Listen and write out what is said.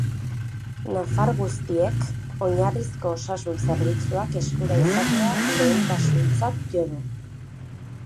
Nafar guztiek oinarrizko osasun zerbitzuak eskura izatea lehentasuntzat jo du.